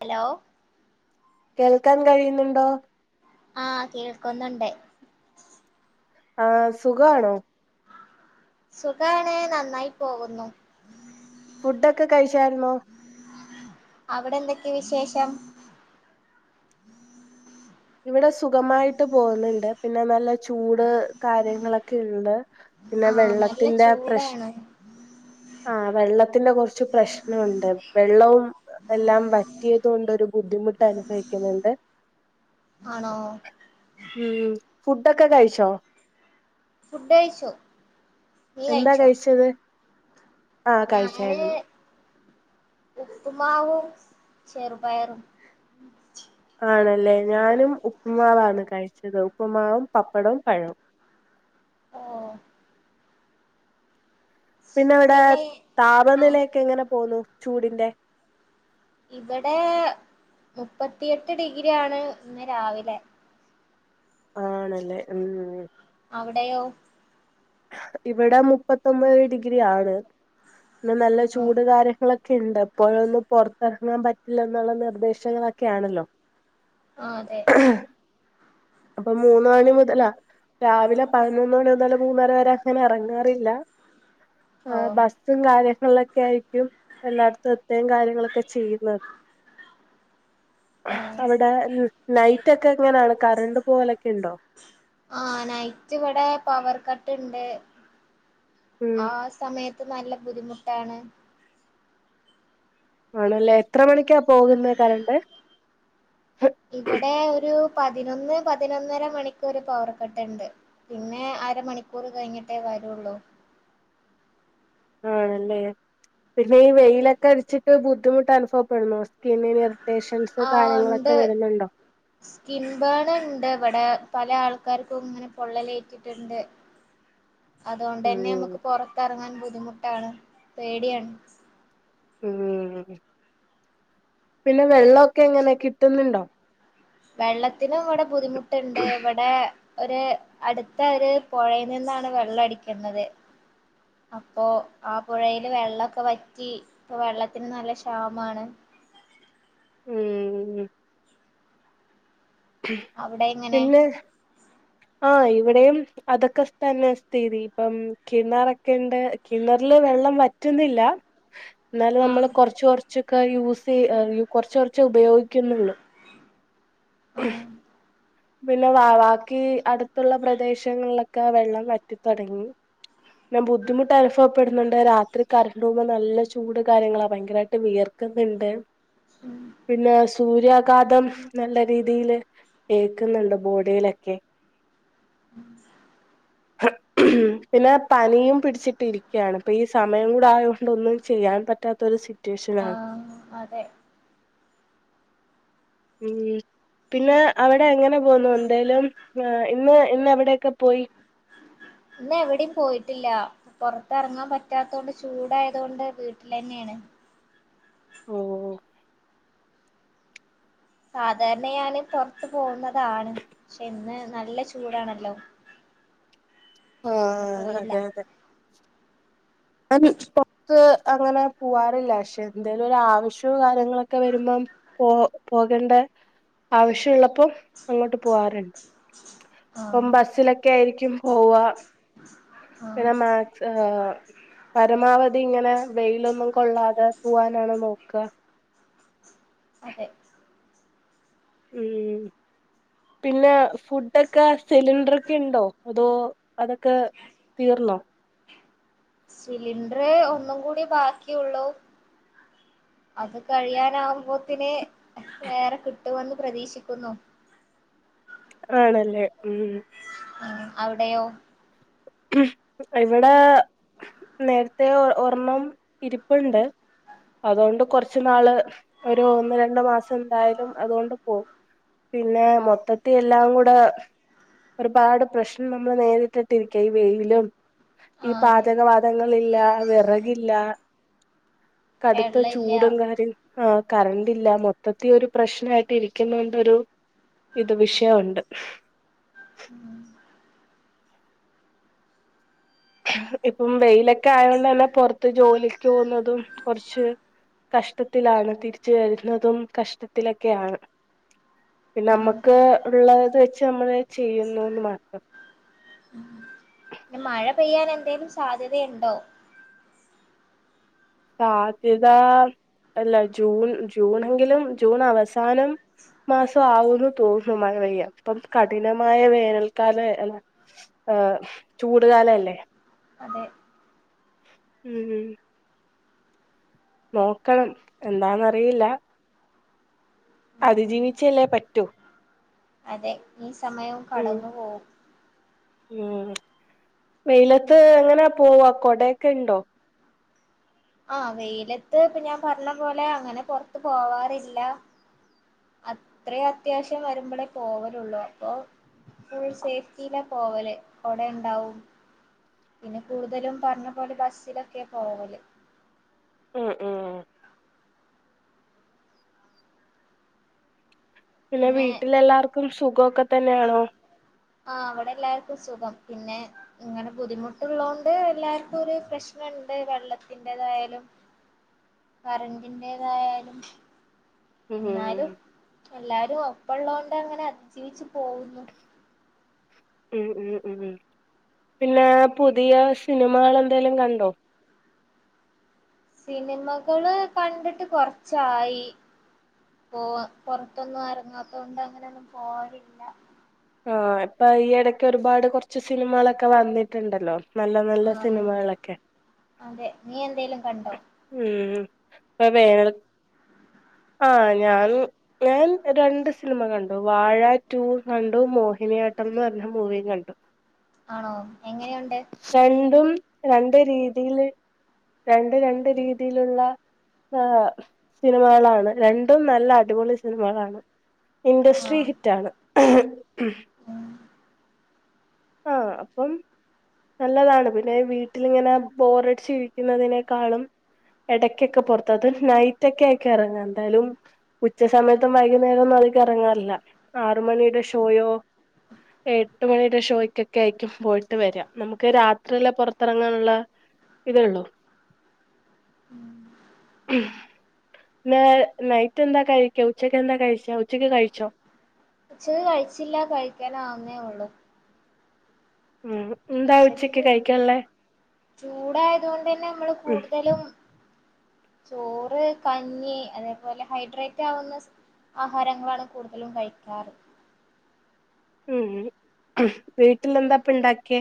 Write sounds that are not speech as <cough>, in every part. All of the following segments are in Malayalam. ഹലോ കേൾക്കാൻ കഴിയുന്നുണ്ടോ? ആ കേൾക്കുന്നുണ്ടേ ആ സുഖാണോ? സുഖാണ് നന്നായി പോകുന്നു ഫുഡൊക്കെ കഴിച്ചാരുന്നോ അവിടെന്തെക്കെ വിശേഷം? ഇവടെ സുഗമായിട്ട് പോന്നിണ്ട് പിന്നെ നല്ല ചൂട് കാര്യങ്ങളൊക്കെയുണ്ട് പിന്നെ ആഹ് നല്ല വെള്ളത്തിന്റെ പ്രശ് ചൂടാണ് ആഹ് വെള്ളത്തിന്റെ കൊറച്ച് പ്രശ്നൊണ്ട് വെള്ളവും എല്ലാം വറ്റിയതോണ്ടൊരു ബുദ്ധിമുട്ടനുഭവിക്കുന്നൊണ്ട്. ആണോ? ഫുഡെക്കെ കഴിച്ചോ ഫുഡഴിച്ചോ എന്താ കഴിച്ചത് ആഹ് ഞാന് കഴിച്ചാരുന്നു ഉപ്പുമാവും ചെറുപയറും. ആണല്ലേ ഞാനും ഉപ്പുമാവാണ് കഴിച്ചതും. ഉപ്പുമാവും പപ്പടവും പഴവും. ഓ പിന്നെയവടെ പിന്നെ ആഹ് താപനിലയൊക്കെ എങ്ങനെ പോന്നു? ചൂടിന്റെ ഇവടെ മുപ്പത്തിയെട്ട് ഡിഗ്രിയാണ് ഇന്ന് രാവിലെ. ആണല്ലേ ഉം ഉം അവടെയോ? ഇവടെ മുപ്പത്തൊമ്പത് ഡിഗ്രി ആണ്. ഇന്ന് നല്ല ആഹ് ചൂട് കാര്യങ്ങളൊ ക്കെണ്ടിപ്പോഴൊന്ന് പൊറത്തിറങ്ങാൻ പറ്റില്ലെന്നൊള്ള നിർദ്ദേശങ്ങളക്കെയാണല്ലോ? ആഹ് അതെ അപ്പോ മൂന്ന് മണി മുതലാ രാവിലെ പതിനൊന്ന് മണി മുതല് മൂന്നര വരെ അങ്ങനെറങ്ങാറില്ലാ. ഓ ആഹ് ബസ്സും <unintelligible> ള്ളൊക്കെയായിറ്റും എല്ലാടത്തും എത്തുകയും കാര്യങ്ങളൊക്കെ ചെയ്യുന്ന ഓ അവടെ നൈറ്റെക്കെ എങ്ങെനാണ്? കരണ്ട് പോലെക്കെണ്ടോ? ആഹ് നൈറ്റിവടെ പവർ കട്ടുണ്ട് ഉം ആ സമയ ത്ത് നല്ല ബുദ്ധിമുട്ടാണ് ആണല്ലേ എത്ര മണിക്കാ പോകുന്നേ കരണ്ട്? ഇവടെ ഒരു പതിനൊന്ന് പതിനൊന്നര മണിക്കൂർ പവർക്കട്ട്ണ്ട്. പിന്നെ അരമണിക്കൂറ് കഴിഞ്ഞിട്ടേ വരുള്ളൂ. ആണല്ലേ പിന്നെയി വെയിലെക്കെയടിച്ചിട്ട് ബുദ്ധിമുട്ട് അനുഭവപ്പെടുന്നോ സ്കിന്നിന് ഇറിറ്റേഷൻസ് ആഹ് കാര്യങ്ങളൊക്കെ ഉണ്ട് വരുന്നുണ്ടോ സ്കിൻബേണ്‌ ഇണ്ട് ഇവടെ. പല ആൾക്കാർക്കും ഇങ്ങനെ പൊള്ളലേറ്റിട്ടുണ്ട് അതുകൊണ്ട് തന്നെ ഉം നമുക്ക് പുറത്തിറങ്ങാൻ ബുദ്ധിമുട്ട് ട്ടാണ് പേടിയാണ് ഊം പിന്നെ വെള്ളൊക്കെ എങ്ങനെ കിട്ടുന്നുണ്ടോ വെള്ളത്തിനും ഇവിടെ ബുദ്ധിമു ട്ടുണ്ട് ഇവടെ ഒര് അടുത്ത ഒരു പൊഴയിൽ നിന്നാണ് വെള്ളം അടിക്കുന്നത് അപ്പൊ ആ പുഴയില് വെള്ളിക്കെ വറ്റി ഇപ്പൊ വെള്ളത്തിന് നല്ല ക്ഷാമാണ് ഉം അവിടെ എങ്ങനെ പിന്നെ ആ ഇവിടെയും അതൊക്കെ തന്നെ സ്ഥിതി ഇപ്പം കിണറൊക്കെ ഇണ്ട് കിണറില് വെള്ളം വറ്റുന്നില്ല എന്നാലും നമ്മള് ആഹ് കൊറച്ച് കൊറച്ച് ക്കെ യൂസ് കൊറച്ച് കൊറച്ച് ഉപയോഗിക്കുന്നുള്ളൂ ഉം ആഹ് പിന്നെ വാവാക്കി അടുത്ത്ള്ള പ്രദേശങ്ങളിലൊക്കെ വെള്ളം വറ്റിത്തൊടങ്ങി ബുദ്ധിമുട്ട് അൽഫം പ്പെടുന്നുണ്ട് രാത്രി കരണ്ട് പോകുമ്പോ നല്ല ചൂട് കാര്യങ്ങളാ ഭയങ്കരായിട്ട് വിയർക്ക്ന്ന്ണ്ട് ഉം പിന്നെ സൂര്യാഘാതം നല്ല രീതിയില് തേക്കുന്നുണ്ട് ബോഡിയിലൊക്കെ ഹ പിന്നെ പനിയും പിടിച്ചിട്ടിരിക്ക്യാണ് ഇപ്പൊ ഈ സമയം കൂടെ ആയതുകൊണ്ട് ഒന്നും ചെയ്യാൻ പറ്റാത്ത ഒരു സ്വിറ്റ് ആഹ് അതെ ഉം പിന്നെ അവടെ എങ്ങനെ പോന്നു എന്തേലും ഇന്ന് ഇന്ന് എവിടെയൊക്കെ പോയി ഇന്ന് എവിടീം പോയിട്ടില്ല പൊറത്ത് എറങ്ങാ പറ്റാത്തോണ്ട് ചൂടായത് കൊണ്ട് വീട്ടിലെന്നേണ് ഓഹ് സാധാരണ ഞാന് പൊറത്ത് പോവുന്നതാണ് ക്ഷെ ഇന്ന് നല്ല ചൂടാണല്ലോ അതുകൊണ്ട് ആഹ് പോയില്ല അതെ അതെ ആൻ പൊറ്ത്ത് അങ്ങനെ പുവാറില്ല ക്ഷെ എന്തേലും ഒരു ആവശ്യോ കാര്യങ്ങളൊക്കെ വെരുമ്പം പോ പോകേണ്ടെ ആവശ്യ ഉള്ളപ്പോം അങ്ങോട്ട് പോവാറ്ണ്ട് ഇപ്പം ആഹ് ബസ്സിലൊക്കെ ആയിരിക്കും <unintelligible> പോവാ ആഹ് പിന്നെ മാക്സ് ആ ആ പരമാവധി ഇങ്ങനെ വെയിലൊന്നും കൊള്ളാതെ പോവാനാണ് നോക്കുക അതെ ഉം പിന്നെ ഫുഡൊക്കെ സിലിണ്ടർ ഒക്കെ ഉണ്ടോ അതോ അതൊക്കെ തീർന്നോ സിലിണ്ടർ ഒന്നും കൂടി ബാക്കിയുള്ളൂ അത് കഴിയാനാവകുമ്പോത്തിന് വേറെ കിട്ടുമെന്ന് പ്രതീക്ഷിക്കുന്നു ആണല്ലേ ഉം ഉം അവിടെയോ ഇവിടെ നേരത്തെ ഒരെണ്ണം ഇരിപ്പുണ്ട് അതുകൊണ്ട് കൊറച്ച് നാള് ഒരു ഒന്ന് രണ്ട് മാസം എന്തായാലും അതുകൊണ്ട് പോവും പിന്നെ മൊത്തത്തി എല്ലാം കൂടെ ഒരുപാട് പ്രശ്നം നമ്മൾ നേരിട്ടിട്ട് ഇരിക്ക- ഈ വെയിലിലും ഈ ആ അതെ പാചകവാതങ്ങള് <unintelligible> വിറകില്ല കടുത്ത വെള്ള ഇല്ല ചൂടും കാര്യ ആ കറന്റ്‌ ഇല്ല മൊത്തത്തി ഒരു പ്രശ്നായിട്ട് ഇരിക്കുന്നോണ്ടൊരു ഇത് വിഷയൊണ്ട് ഉം ഇപ്പം വെയിലൊക്കെ ആയോണ്ട് തന്നെ പൊറത്ത് ജോലിക്ക് പോകുന്നതും കുറച്ച് കഷ്ടത്തിലാണ് തിരിച്ച് വരുന്നതും കഷ്ടത്തിലൊക്കെയാണ്, പിന്നെ ഉം നമക്ക് അതെ ഉള്ളത് വെച്ച് നമ്മള് ചെയ്യുന്നുന്ന് മാത്രം. പിന്നെ മഴ പെയ്യാൻ എന്തേലും സാധ്യതയുണ്ടോ? സാധ്യത അല്ല ജൂൺ ജൂണെങ്കിലും ജൂൺ അവസാനം മാസം ആവുന്ന് തോന്നു മഴ പെയ്യാൻ, ഇപ്പം കഠിനമായ വേനൽക്കാലം അല്ല ഏഹ് ചൂടുകാലല്ലേ അതെ നോക്കണം എന്താന്നറിയില്ല ഉം അതിജീവിച്ചല്ലേ പറ്റൂ അതെ ഈ സമയവും ഉം കടന്നു പോവും ഉം വെയിലത്ത് എങ്ങനാ പോവാ കൊടയൊക്കെ ഇണ്ടോ? ആഹ് വെയിലത്ത് ഇപ്പൊ ഞാൻ പറഞ്ഞ പോലെ അങ്ങനെ പൊറത്ത് പോവാറില്ല അത്രേ അത്യാവശ്യം വരുമ്പളേ പോവലുള്ളൂ അപ്പൊ ഫുൾ സേഫ്റ്റിയിലാ പോവല് കൊടെണ്ടാവും പിന്നെ കൂടുതലും പറഞ്ഞ പോലെ ബസ്സിലൊക്കെയാ പോവല് ഉം ഉം പിന്നെ വീട്ടിൽ എല്ലാർക്കും സുഖ ഖൊക്കെ തന്നെയാണോ ആഹ് അവിടെ എല്ലാർക്കും സുഖം, പിന്നെ ഇങ്ങനെ ബുദ്ധിമുട്ടള്ളോണ്ട് എല്ലാക്കും ഒരു പ്രശ്നിണ്ട് വെള്ളത്തിന്റെതായാലും കറന്റിന്റെതായാലും ഉം എല്ലാരും ഒപ്പ ഉള്ളോണ്ട് അങ്ങനെ അതിജീവിച്ചു പോവുന്നു ഉം ഉം ഉം പിന്നെ പുതിയ സിനിമകൾ എന്തേലും കണ്ടോ? സിനിമകള് കണ്ടിട്ട് കൊറച്ചായി പോ പൊറത്തൊന്നും എറങ്ങാത്തോണ്ട് അങ്ങനെയൊന്നും പോവലില്ല ആ ഇപ്പൊ ഈ ഇടക്ക് ഒരുപാട് കൊറച്ച് സിനിമകളൊക്കെ വന്നിട്ടുണ്ടല്ലോ നല്ല നല്ല ആഹ് സിനിമകളൊക്കെ അതെ നീ എന്തേലും കണ്ടോ ഉം അ വേനൽ ആഹ് ഞാൻ ഞാൻ രണ്ട് സിനിമ കണ്ടു വാഴ ടു വൺ മോഹിനിയാട്ടം എന്ന് പറഞ്ഞ മൂവിയും കണ്ടു. ആണോ എങ്ങനെയുണ്ട് രണ്ടും രണ്ട് രീതിയില് രണ്ട് രണ്ട് രീതിയിലുള്ള ഏഹ് സിനിമകളാണ്, രണ്ടും നല്ല അടിപൊളി സിനിമകളാണ്. ഇൻഡസ്ട്രി ആഹ് ഹിറ്റാണ് ഉം ഉം ആഹ് അപ്പം നല്ലതാണ്, പിന്നെ വീട്ടിലിങ്ങനെ ബോറടിച്ച് ഇരിക്കുന്നതിനേക്കാളും എടയ്ക്കൊക്കെ പൊറത്ത് അത് നൈറ്റ്‌ ഒക്കെയായിക്കും എറങ്ങാ എന്തായാലും ഉച്ച സമയത്തും വൈകുന്നേരൊന്നും അധികം എറങ്ങാറില്ല ആറ് മണിടെ ഷ ഷോയോ എട്ട് മണിയുടെ ഷോയ്ക്കൊക്കെ ആയിക്കും പോയിട്ട് വരാ, നമുക്ക് രാത്രിയില് പൊറത്തിറങ്ങാനിള്ള ഇതേ ഉള്ളൂ, ഉം പി പിന്നെ നൈറ്റ് എന്താ കഴിക്കാൻ ഉച്ചക്ക് എന്താ കഴിച്ചേ ഉച്ചക്ക് കഴിച്ചോ? ഉച്ചക്ക് കഴിച്ചില്ല കഴിക്കാൻ ആവുന്നേ ഉള്ളൂ. ഉം എന്താ ഉച്ചക്ക് കഴിക്കാനുള്ളേ ചൂടായതു കൊണ്ട് തന്നെ നമ്മള് ഉം കൂടുതലും ചോറ് കഞ്ഞി അതേപോലെ ഹൈഡ്രേറ്റ് ആവുന്ന ആഹാരങ്ങളാണ് കൂടുതലും കഴിക്കാറ് ഉം വീട്ടിലെന്താപ്പെ ഇണ്ടാക്കിയേ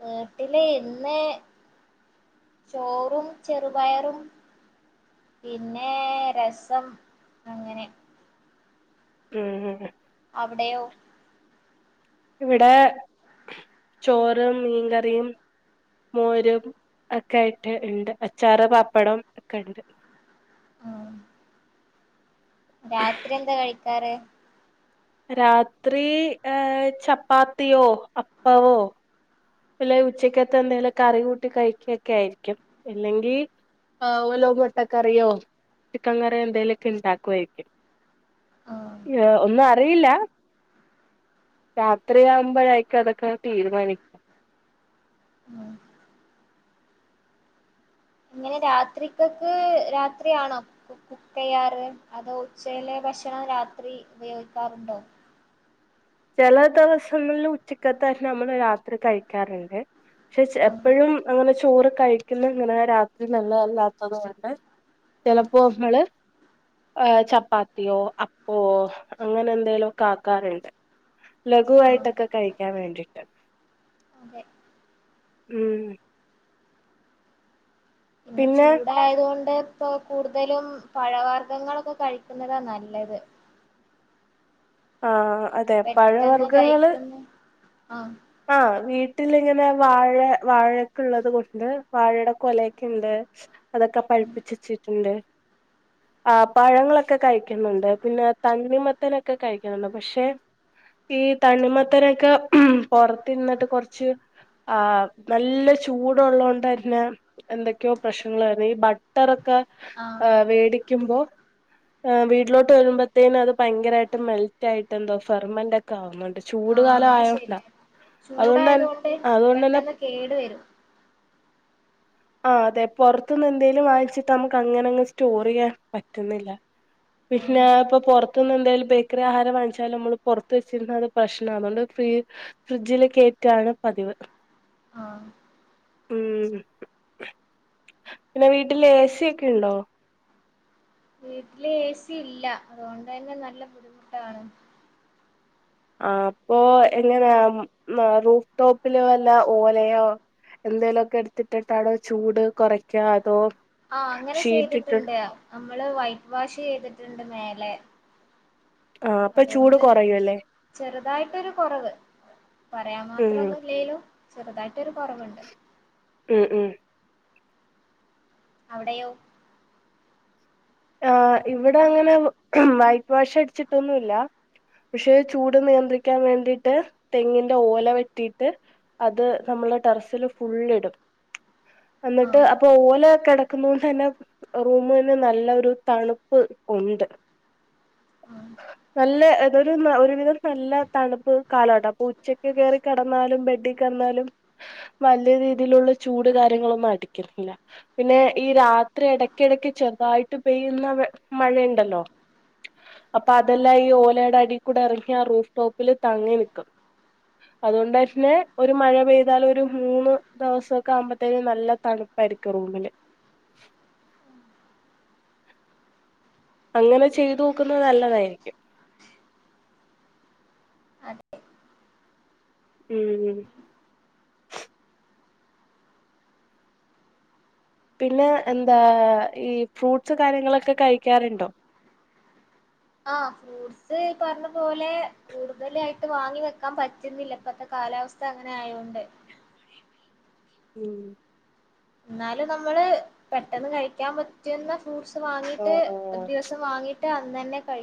വീട്ടില് ഇന്ന് ചോറും ചെറുപയറും പിന്നെ രസം അങ്ങനെ ഉം അവടെയോ ഇവടെ ചോറ് മീൻകറിയും മോരും ഒക്കെയായിട്ട് ഇണ്ട് അച്ചാറ്, പപ്പടം ഒക്കെ ഇണ്ട് ആഹ് രാത്രി എന്താ കഴിക്കാറ് രാത്രി ഏഹ് ചപ്പാത്തിയോ അപ്പവോ അല്ലാ ഉച്ചക്കത്തെ എന്തേലൊക്കെ കറി കൂട്ടി കഴിക്കൊക്കെ ആയിരിക്കും അല്ലെങ്കി ഏഹ് ഓലോ മൊട്ടക്കറിയോ ചിക്കൻ കറിയോ എന്തേലൊക്കെ ഇണ്ടാക്കുവായിരിക്കും. ആഹ് <unintelligible> അറിയില്ല രാത്രി ആവുമ്പാഴായിരിക്കും അതൊക്കെ തീരുമാനി ഉം ഇങ്ങനെ രാത്രിക്കൊക്കെ രാത്രിയാണോ കുക്ക് ചെയ്യാറ് അതോ ഉച്ചയിലെ ഭക്ഷണം രാത്രി ഉപയോഗിക്കാറുണ്ടോ ചെല ദെവസങ്ങളിൽ ഉച്ചക്കത്തെ നമ്മള് രാത്രി കഴിക്കാറുണ്ട് പക്ഷേ ആഹ് എപ്പഴും അങ്ങനെ ചോറ് കഴിക്കുന്ന ഇങ്ങനെ രാത്രി നല്ലത് അല്ലാത്തത് കൊണ്ട് ആഹ് ചെലപ്പോ നമ്മള് ചപ്പാത്തിയോ അപ്പവോ അങ്ങനെ എന്തേലെക്കെ ആക്കാറുണ്ട് ആഹ് ലഘുവായിട്ടൊക്കെ കഴിക്കാൻ വേണ്ടിട്ട് അതെ ഉം പിന്നെ ചൂടായത് കൊണ്ട് ഇപ്പൊ കൂടുതലും പഴവർഗ്ഗങ്ങളൊക്കെ കഴിക്കുന്നതാ നല്ലത് ആ അതെ പഴവർഗങ്ങള് ആ ആ വീട്ടിലിങ്ങനെ വാഴ വാഴയൊക്കെ ഒള്ളത് കൊണ്ട് വാഴയുടെ കൊലയൊക്കെ ഒണ്ട് അതൊക്കെ ഉം പഴിപ്പിച്ച് വെച്ചിട്ടുണ്ട് ആ പഴങ്ങളൊക്കെ കഴിക്കുന്നുണ്ട് പിന്നെ തണ്ണിമത്തനൊക്കെ കഴിക്കുന്നുണ്ട് പക്ഷേ തണ്ണിമത്തനൊക്കെ ഉം പൊറത്തിരിന്നിട്ട് കൊറച്ച് ആ നല്ല ചൂട് ഒള്ളകൊണ്ട് തന്നെ എന്തൊക്കെയോ പ്രശ്നങ്ങള് ഈ ബട്ടറൊ ക്കെ ആഹ് മേടിക്കുമ്പോ ആ വീട്ടിലോട്ട് വരുമ്പഴത്തേന് അത് ഭയങ്കരായിട്ട് മെൽറ്റായിട്ട് എന്തോ ഫെർമെന്റ് ഒക്കെ ആവുന്നുണ്ട് ചൂട് കാലം ആയോണ്ടാ അതുകൊണ്ട് തന്നെ ചൂടായതോണ്ട് പെട്ടെന്ന് കേട് വരും ആ അതെ പൊറത്തന്ന് എന്തേലും വായിച്ചിട്ട് നമക്ക് അങ്ങനെ അങ്ങ് സ്റ്റോർ ചെയ്യാൻ പറ്റുന്നില്ലാ ആഹ് പിന്നേ ഇപ്പം പൊറ ത്തന്ന് എന്തേലും ബേക്കറി ആഹാരം വാങ്ങിച്ചാലും നമ്മള് പൊറത്ത് വെച്ചിരുന്നാ അത് പ്രശ്നാ അതൊണ്ട് ഫ്രീ ഫ്രിഡ്ജില് കേറ്റാണ് പതിവ് ആ ഉം പിന്നെ വീട്ടില് എസിയൊക്കെ ഒണ്ടോ വീട്ടില് എ സി ഇല്ല അത് കൊണ്ട് തന്നെ നല്ല ബുദ്ധിമുട്ടാണ് ആ അപ്പൊ എങ്ങനാ ആ റൂഫ് ടോപ്പില് വല്ലാ ഓലയോ എന്തോലുമൊക്കെ എടുത്തിട്ടിട്ടാണോ ചൂട് കൊറയ്ക്കാ അതോ ആ അങ്ങനെ ഷീറ്റ് ഇട്ട് ചെയ്തിട്ടുണ്ട് അ നമ്മള് വൈറ്റ് വാഷ് ചെയ്തിട്ടുണ്ട് മേലെ ആ അപ്പൊ ചൂട് അതുകൊണ്ട് കുറയുംല്ലേ ചെറുതായിട്ടൊരു കുറവ് പറയാൻ ഉം മാത്രം ഒന്നും ഇല്ലേലും ചെറുതായിട്ടൊരു കുറവുണ്ട് ഉം ഉം അവിടെയോ ആ ഇവിടെ അങ്ങനെ വൈറ്റ് വാഷ് അടിച്ചിട്ടൊന്നുമല്ല പക്ഷെ ചൂട് നിയന്ത്രിക്കാൻ വേണ്ടിയിട്ട് തെങ്ങിന്റെ ഓല വെട്ടിയിട്ട് അത് നമ്മുടെ ടെറസില് ഫുള്ളിടും എന്നിട്ട് ആഹ് അപ്പൊ ഓല കിടക്കുന്നൊണ്ട് തന്നെ റൂമിന് നല്ല ഒരു തണുപ്പ് ഉണ്ട് ആഹ് നല്ല തരു ഒരുവിധം നല്ല തണുപ്പ് കാലഘട്ട അപ്പൊ ഉച്ചക്ക് കയറി കടന്നാലും ബെഡികടന്നാലും വല്യ രീതിയിലുള്ള ചൂട് കാര്യങ്ങളൊന്നും അടിക്കത്തില്ല പിന്നെ ഈ രാത്രി ഇടക്ക് ഇടക്ക് ചെറുതായിട്ട് ഇട്ട് പെയ്യുന്ന മഴയുണ്ടല്ലോ അപ്പൊ അതെല്ലാം ഈ ഓലയുടെ അടി കൂടെ ഇറങ്ങി ആ റൂഫ് ടോപ്പില് തങ്ങി നിക്കും അതുകൊണ്ട് തന്നെ ഒരു മഴ പെയ്താൽ ഒരു മൂന്ന് ദിവസൊക്കെ ആവുമ്പോത്തേന് നല്ല തണുപ്പായിരിക്കും റൂമില് അങ്ങനെ ചെയ്തു നോക്കുന്നത് നല്ലതായിരിക്കും അതെ ഉം പിന്നെ ഉം എന്താ ഈ ഫ്രൂട്ട്സ് കാര്യങ്ങളൊക്കെ കഴിക്കാറുണ്ടോ ആ ഫ്രൂട്സ് പറഞ്ഞ പോലെ കൂടുതലായിട്ട് വാങ്ങി വെക്കാൻ പറ്റുന്നില്ല ഇപ്പത്തെ കാലാവസ്ഥ അങ്ങനെ ആയോണ്ട് ഉം എന്നാല് നമ്മള് പെട്ടെന്ന് കഴിക്കാൻ പറ്റുന്ന ഫ്രൂട്ട്സ് വാങ്ങിയിട്ട് ആഹ് ആഹ് ദിവസം വാങ്ങിട്ട് അന്ന് തന്നെ കഴിക്കും